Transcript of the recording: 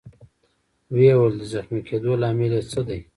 ويې ویل: د زخمي کېدو لامل يې څه دی؟